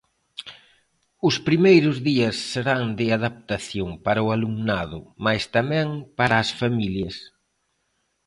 Os primeiros días serán de adaptación, para o alumnado, mais tamén para as familias.